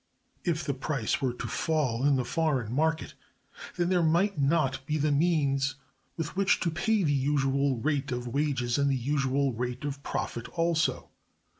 If the price were to fall in the foreign market, then there might not be the means with which to pay the usual rate of wages and the usual rate of profit also.